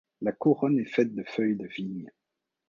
La couronne est faite de feuilles de vigne.